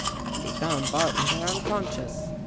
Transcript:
And he found Bar ton there unconscious.